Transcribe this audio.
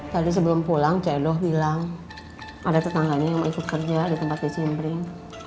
tadi sebelum pulang ceno bilang ada tetangganya yang ikut kerja di tempat disimplin